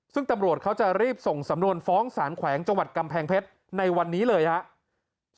ซึ่งตำรวจเขาจะรีบส่งสำนวนฟ้องสารแขวงจังหวัดกำแพงเพชรในวันนี้เลยครับ